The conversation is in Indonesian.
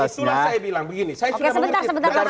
saya bilang begini saya sudah mengerti